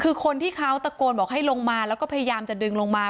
คือคนที่เขาตะโกนบอกให้ลงมาแล้วก็พยายามจะดึงลงมา